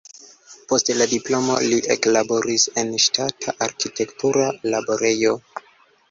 Post la diplomo li eklaboris en ŝtata arkitektura laborejo.